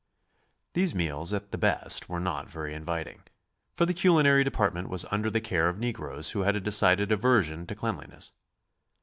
These meals at the best were not very inviting, for the culinary department was under the care of negroes who had a decided aversion to cleanliness.